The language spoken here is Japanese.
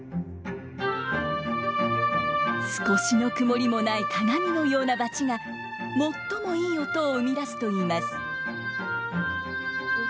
少しの曇りもない鏡のようなバチが最もいい音を生み出すといいます。